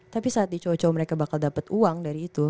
tapi saat di cowok cowok mereka bakal dapet uang dari itu